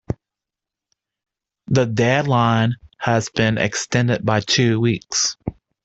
The deadline has been extended by two weeks.